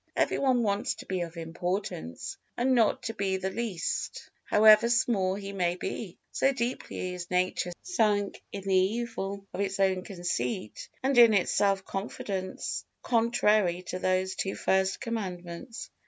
Every one wants to be of importance and not to be the least, however small he may be; so deeply is nature sunk in the evil of its own conceit and in its self confidence contrary to these two first Commandments.